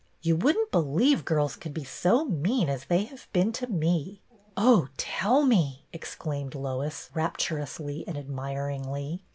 You wouldn't believe girls could be so mean as they have been to me." " Oh, tell me !" exclaimed Lois, rapturously and admiringly.